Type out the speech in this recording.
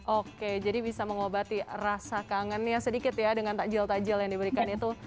oke jadi bisa mengobati rasa kangennya sedikit ya dengan takjil tajil yang diberikan itu